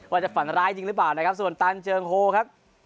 ว่าจะฝันร้ายจริงหรือเปล่านะครับส่วนตันเจิงโฮครับ